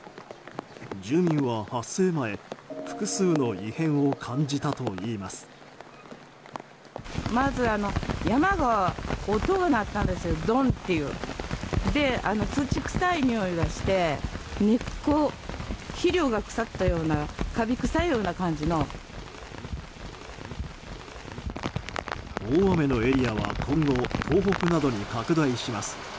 住民は発生前、複数の異変を感じたといいます大雨のエリアは今後、東北などに拡大します。